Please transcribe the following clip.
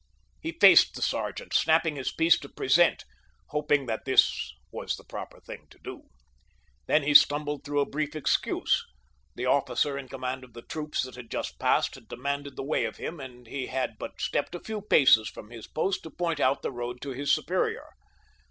He faced the sergeant, snapping his piece to present, hoping that this was the proper thing to do. Then he stumbled through a brief excuse. The officer in command of the troops that had just passed had demanded the way of him, and he had but stepped a few paces from his post to point out the road to his superior.